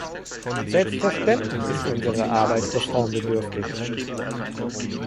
Selbstverständlich ist unsere Arbeit reformbedürftig.